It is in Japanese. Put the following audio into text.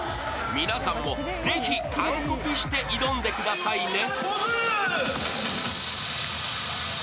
皆さんもぜひ完コピして挑んでくださいね。